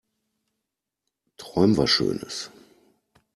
Träum was schönes.